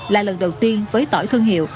là lần đầu tiên với tỏi thương hiệu